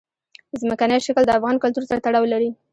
ځمکنی شکل د افغان کلتور سره تړاو لري.